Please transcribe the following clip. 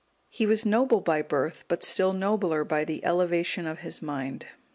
He was noble by birth, but still nobler by the elevation of his mind.